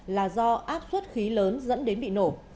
là do áp suất khí lớn dẫn đến bị nổ